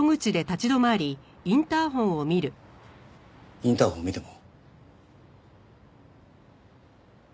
インターホンを見ても？